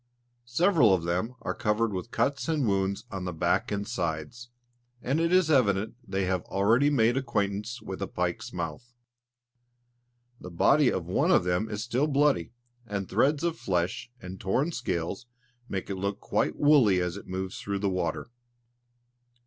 Several of them are covered with cuts and wounds on the back and sides, and it is evident they have already made acquaintance with a pike's mouth. The body of one of them is still bloody, and threads of flesh and torn scales make it look quite woolly as it moves through the water.